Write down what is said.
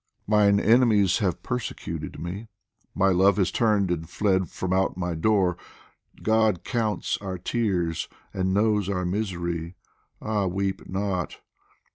Mine enemies have persecuted me, My Love has turned and fled from out my door God counts our tears and knows our misery ; Ah, weep not